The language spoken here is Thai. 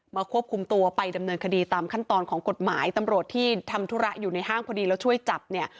ควบคุมตัวไปดำเนินคดีตามขั้นตอนของกฎหมายตำรวจที่ทำธุระอยู่ในห้างพอดีแล้วช่วยจับเนี่ย